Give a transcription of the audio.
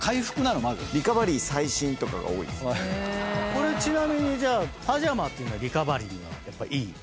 これちなみにパジャマっていうのはリカバリーにはいい？